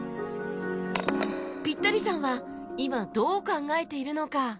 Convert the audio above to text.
ピッタリさんは今どう考えているのか？